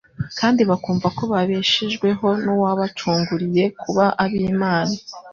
kandi bakumva ko babeshejweho n'uwabacunguriye kuba ab'Imana.